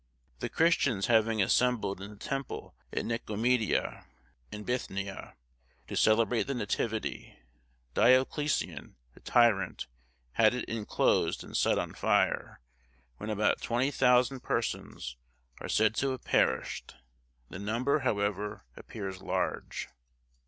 The Christians having assembled in the Temple at Nicomedia, in Bithynia, to celebrate the Nativity, Dioclesian, the tyrant, had it inclosed, and set on fire, when about 20,000 persons are said to have perished; the number, however, appears large.